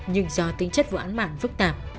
nhưng do tính chất vụ án mạng phức tạp